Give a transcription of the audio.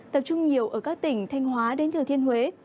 tập trung nhiều ở các tỉnh thanh hóa đến thừa thiên huế